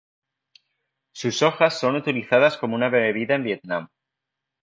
Sus hojas son utilizadas como una bebida en Vietnam.